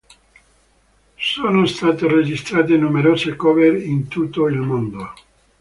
Sono state registrate numerose cover in tutto il mondo.